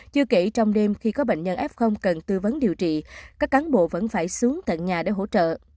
chưa kể trong đêm khi có bệnh nhân f cần tư vấn điều trị các cán bộ vẫn phải xuống tận nhà để hỗ trợ